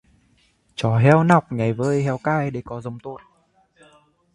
Cho heo nọc nhảy với heo cái để có giống tốt